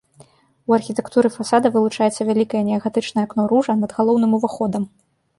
У архітэктуры фасада вылучаецца вялікае неагатычнае акно-ружа над галоўным уваходам.